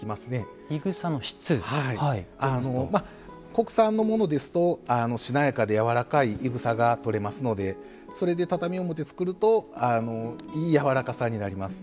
国産のものですとしなやかでやわらかいい草がとれますのでそれで畳表作るといいやわらかさになります。